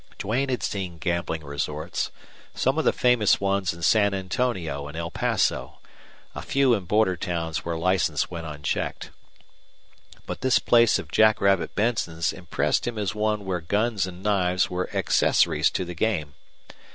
Duane had seen gambling resorts some of the famous ones in San Antonio and El Paso, a few in border towns where license went unchecked. But this place of Jackrabbit Benson's impressed him as one where guns and knives were accessories to the game.